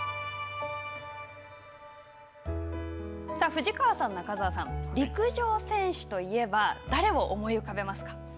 藤川さん、中澤さん、陸上選手といえば誰を思い浮かべますか。